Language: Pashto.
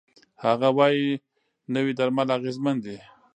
هغه وايي، نوي درمل اغېزمن دي.